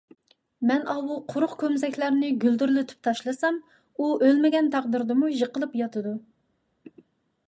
مەن ئاۋۇ قۇرۇق كومزەكلەرنى گۈلدۈرلىتىپ تاشلىسام، ئۇ ئۆلمىگەن تەقدىردىمۇ يىقىلىپ ياتىدۇ.